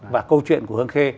và câu chuyện của hương khê